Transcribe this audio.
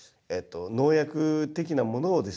農薬的なものをですね